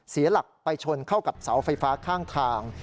เสียหลักไปชนเข้ากับเสาไฟฟ้าข้างทาง